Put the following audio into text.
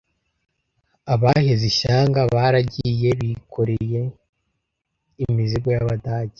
abaheze ishyanga baragiye bikoreye imizigo y'Abadage.